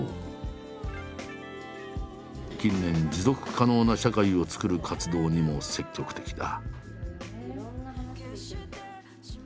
近年持続可能な社会をつくる活動にも積極的だ。